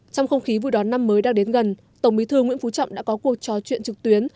trong không khí vui đón năm mới đang đến gần tổng bí thư nguyễn phú trọng đã có cuộc trò chuyện trực tuyến